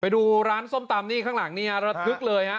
ดูร้านส้มตำนี่ข้างหลังเนี่ยระทึกเลยฮะ